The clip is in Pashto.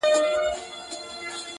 دېوالونه که ګونګیان شي او کاڼۀ شي